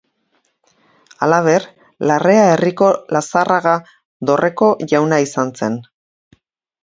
Halaber, Larrea herriko Lazarraga dorreko jauna izan zen.